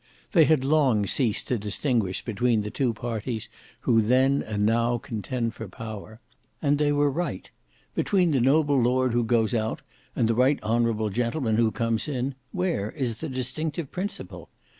They had long ceased to distinguish between the two parties who then and now contend for power. And they were tight. Between the noble lord who goes out and the right honourable gentleman who comes in, where is the distinctive principle?